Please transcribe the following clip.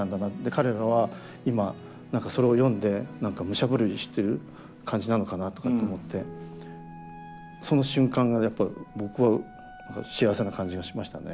彼らは今何かそれを読んで何か武者震いしてる感じなのかなとかって思ってその瞬間がやっぱ僕は幸せな感じがしましたね。